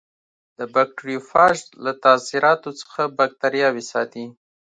د بکټریوفاژ له تاثیراتو څخه باکتریاوې ساتي.